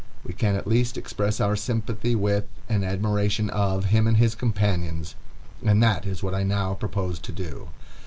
We can at least express our sympathy with, and admiration of, him and his companions, and that is what I now propose to do.